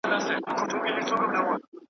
چي به پورته سوې څپې او لوی موجونه .